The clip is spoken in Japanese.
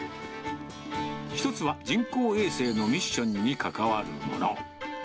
１つは人工衛星のミッションに関わるもの。